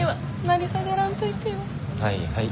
はいはい。